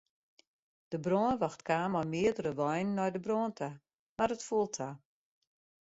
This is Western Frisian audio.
De brânwacht kaam mei meardere weinen nei de brân ta, mar it foel ta.